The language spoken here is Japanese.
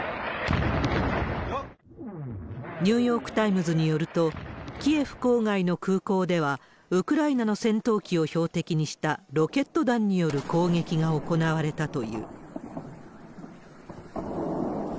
ニューヨークタイムズによると、キエフ郊外の空港では、ウクライナの戦闘機を標的にしたロケット弾による攻撃が行われたという。